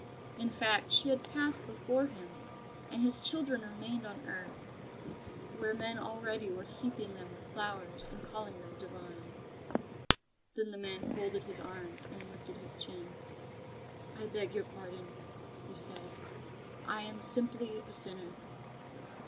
In fact, she had passed before him, and his children remained on earth, where men already were heaping them with flowers and calling them divine. Then the man folded his arms and lifted his chin. "I beg your pardon," he said, "I am simply a sinner."